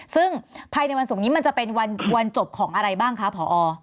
ซึ่งภายในวันศุกร์นี้มันจะเป็นวันจบของอะไรบ้างคะผอ